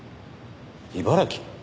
茨城？